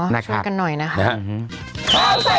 น้อช่วยกันหน่อยนะครับ